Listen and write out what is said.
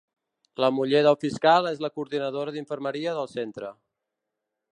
La muller del fiscal és la coordinadora d’infermeria del centre.